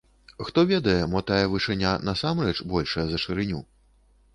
Хто ведае, мо тая вышыня, насамрэч, большая за шырыню?